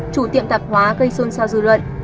chủ tiệm tạp hóa gây xôn xao dư luận